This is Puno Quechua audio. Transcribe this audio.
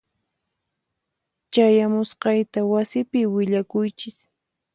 Chayamusqayta wasipi willakuychis.